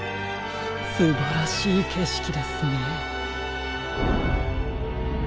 すばらしいけしきですね。